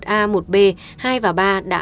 một a một b hai và ba đã